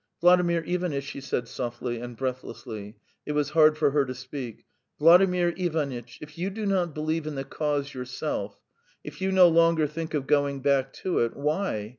"Vladimir Ivanitch," she said softly and breathlessly; it was hard for her to speak "Vladimir Ivanitch, if you do not believe in the cause yourself, if you no longer think of going back to it, why